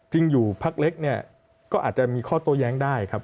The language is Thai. อยู่พักเล็กเนี่ยก็อาจจะมีข้อโต้แย้งได้ครับ